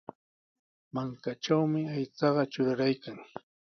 Mankatrawmi aychaqa truraraykan.